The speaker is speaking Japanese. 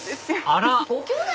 あら！